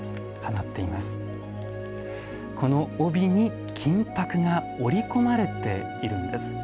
この帯に金箔が織り込まれているんです。